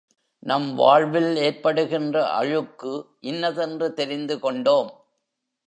நம் வாழ்வில் ஏற்படுகின்ற அழுக்கு இன்னதென்று தெரிந்து கொண்டோம்.